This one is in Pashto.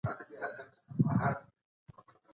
چېري د دوی لپاره ځانګړي ښوونځي شتون لري؟